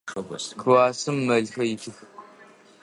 Классым мэлхэр итых.